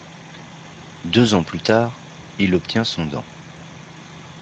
Deux ans plus tard, il obtient son dan.